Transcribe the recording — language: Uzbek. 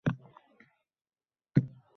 Biroz sayr qilsak, rozimisiz?